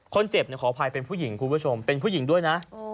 ขออภัยเป็นผู้หญิงคุณผู้ชมเป็นผู้หญิงด้วยนะ